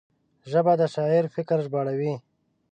ژبه د شاعر فکر ژباړوي